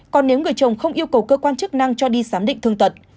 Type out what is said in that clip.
còn nếu người chồng không yêu cầu cơ quan chức năng cho đi giám định thương tật